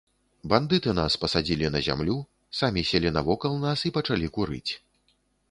Бандыты нас пасадзілі на зямлю, самі селі навокал нас і пачалі курыць.